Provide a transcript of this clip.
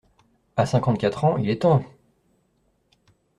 À cinquante-quatre ans, il est temps !